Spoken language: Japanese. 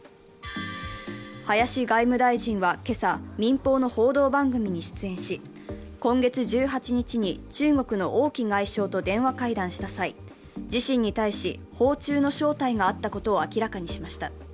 林外務大臣は今朝、民放の報道番組に出演し今月１８日に中国の王毅外相と電話会談した際、自身に対し、訪中の招待があったことを明らかにしました。